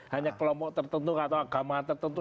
hanya kelompok tertentu atau agama tertentu